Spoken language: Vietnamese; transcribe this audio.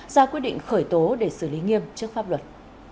ra quyết định khởi tố để xử lý nghiêm trước pháp luật